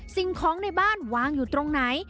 สิ่งของในบ้านวางอยู่ตรงไหน